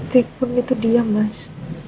kita gak boleh sedetikpun gitu diam mas